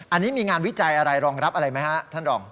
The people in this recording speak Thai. อันนี้มีงานวิจัยอะไรรองรับอะไรไหมฮะท่านรอง